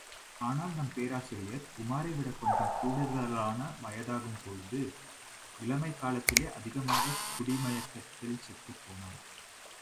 ஆனால் நம் பேராசிரியர் உமாரை விடக் கொஞ்சம் கூடுதலான வயதாகும் பொழுது, இளமைக் காலத்திலேயே அதிகமான குடிமயக்கத்தில் செத்துப்போனான்.